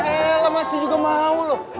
wah el masih juga mau loh